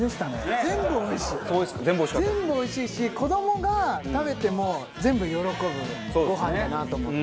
全部おいしいし子どもが食べても全部喜ぶごはんだなと思って。